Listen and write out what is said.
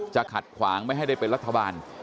ขัดขวางไม่ให้ได้เป็นรัฐบาล